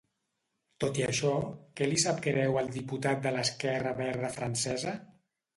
Tot i això, què li sap greu al diputat de l'esquerra verda francesa?